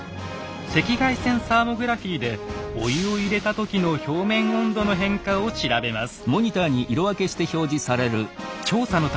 赤外線サーモグラフィーでお湯を入れた時の表面温度の変化を調べます。